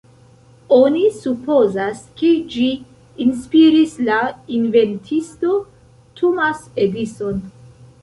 Oni supozas ke ĝi inspiris la inventisto Thomas Edison.